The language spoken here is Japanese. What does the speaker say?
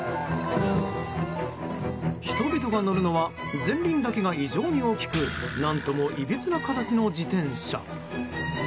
人々が乗るのは前輪だけが異常に大きく何ともいびつな形の自転車。